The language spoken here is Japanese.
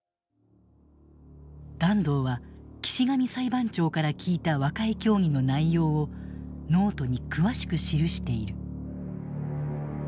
團藤は岸上裁判長から聞いた和解協議の内容をノートに詳しく記している。